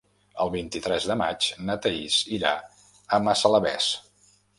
El vint-i-tres de maig na Thaís irà a Massalavés.